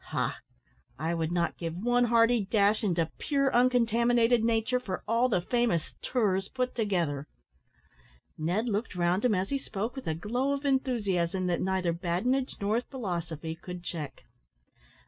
Ha! I would not give one hearty dash into pure, uncontaminated nature for all the famous `tours' put together." Ned looked round him as he spoke, with a glow of enthusiasm that neither badinage nor philosophy could check.